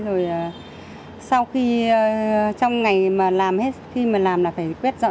rồi sau khi trong ngày mà làm hết khi mà làm là phải quét dọn